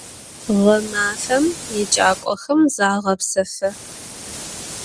Ğemafem yêcak'oxem zağepsefı.